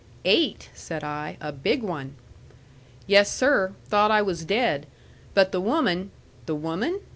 "Eight!" said I. "A big one." "Yes, sir. Thought I was dead. But the woman " "The woman?"